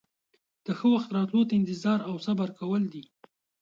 د ښه وخت راتلو ته انتظار او صبر کول دي.